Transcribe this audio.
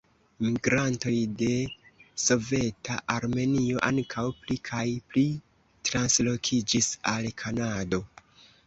Migrantoj de soveta Armenio ankaŭ pli kaj pli translokiĝis al Kanado.